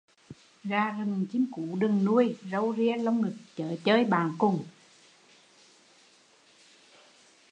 Gà rừng chim cú đừng nuôi, râu ria lông ngực chớ chơi bạn cùng